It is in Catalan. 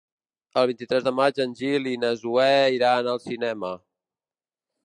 El vint-i-tres de maig en Gil i na Zoè iran al cinema.